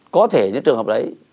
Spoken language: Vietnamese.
có thể những trường hợp đấy